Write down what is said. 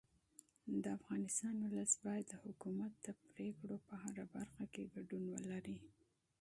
د افغانستان ولس باید د حکومت د پرېکړو په هره برخه کې ګډون ولري